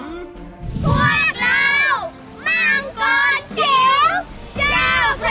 พวกเรามังกรจิ๋วเจ้าพยา